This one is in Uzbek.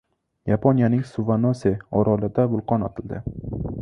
Yaponiyaning Suvanose orolida vulqon otildi